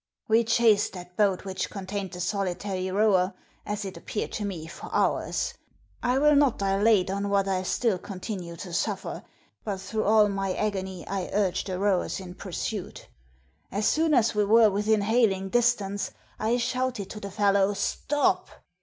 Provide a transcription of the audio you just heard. " We chased that boat which contained the solitary rower, as it appeared to me, for hours. I will not dilate on what I still continued to suffer, but through all my agony I urged the rowers in pursuit. As soon as we were within hailing distance I shouted to the fellow, 'Stop!'